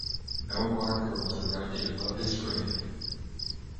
No marker was erected above his grave.